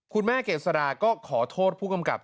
คุณแม่เกษราก็ขอโทษผู้กำกับ